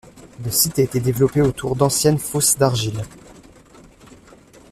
Le site a été développé autour d'anciennes fosses d'argile.